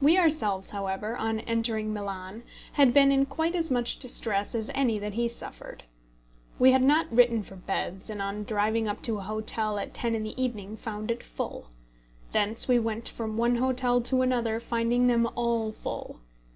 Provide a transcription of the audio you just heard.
We ourselves, however, on entering Milan had been in quite as much distress as any that he suffered. We had not written for beds, and on driving up to a hotel at ten in the evening found it full. Thence we went from one hotel to another, finding them all full.